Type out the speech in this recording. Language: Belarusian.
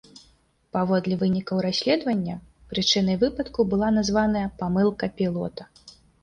Паводле вынікаў расследавання прычынай выпадку была названая памылка пілота.